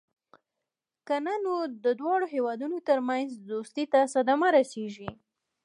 کنه نو د دواړو هېوادونو ترمنځ دوستۍ ته صدمه رسېږي.